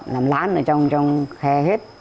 làm lán ở trong trong khe hết